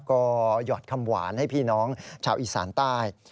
ก็หยอดคำหวานให้พี่น้องชาวอีสานใต้